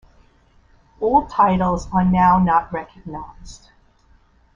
All titles are now not recognized.